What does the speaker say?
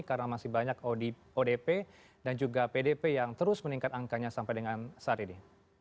karena masih banyak odp dan juga pdp yang terus meningkat angkanya sampai dengan saat ini